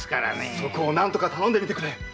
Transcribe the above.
そこを何とか頼んでみてくれ。